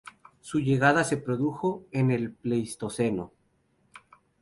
Su llegada se produjo en el Pleistoceno.